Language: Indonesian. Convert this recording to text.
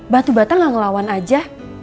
batu bata gak ngelawan aja